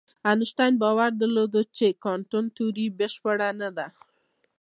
انشتین باور درلود چې کوانتم تیوري بشپړه نه ده.